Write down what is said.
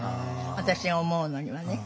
私が思うのにはね。